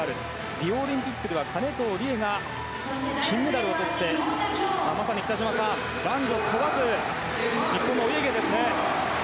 リオオリンピックでは金藤理絵が金メダルをとってまさに北島さん男女問わず日本のお家芸ですね。